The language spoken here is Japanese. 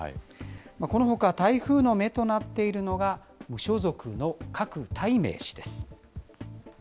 このほか台風の目となっているのが、無所属の郭台銘氏です。